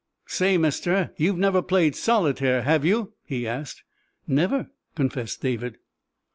"Say, mister, you've never played solitaire, have you?" he asked. "Never," confessed David.